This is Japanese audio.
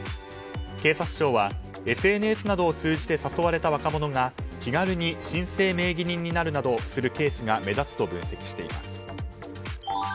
警察庁は、ＳＮＳなどを通じて誘われた若者が気軽に申請名義人になるなどするケースが目立つと分析しています。